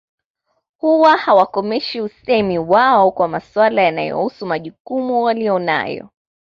Huwa hawakomeshi usemi wao kwa maswala yanayohusu majukumu waliyo nayo